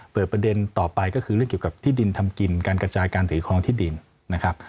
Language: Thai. ประเด็นต่อไปก็คือเรื่องเกี่ยวกับที่ดินทำกินการกระจายการถือครองที่ดินนะครับ